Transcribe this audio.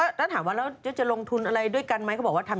โอลี่คัมรี่ยากที่ใครจะตามทันโอลี่คัมรี่ยากที่ใครจะตามทัน